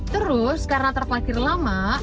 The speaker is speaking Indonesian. terus karena terparkir lama